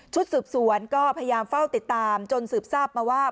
สืบสวนก็พยายามเฝ้าติดตามจนสืบทราบมาว่า